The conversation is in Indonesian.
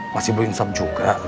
masih belum insap juga